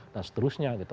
dan seterusnya gitu